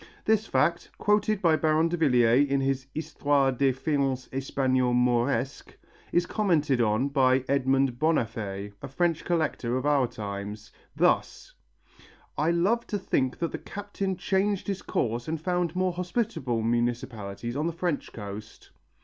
This fact, quoted by Baron Davillier in his Histoire des faïences hispano moresques, is commented on by Edmond Bonnaffé, a French collector of our times, thus: "I love to think that the captain changed his course and found more hospitable municipalities on the French coast."